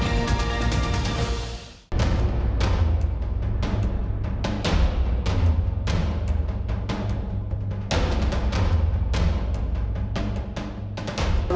สวัสดีครับ